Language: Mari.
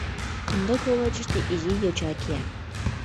Кумда кроватьыште изи йоча кия.